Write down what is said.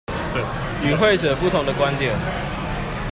與會者不同的觀點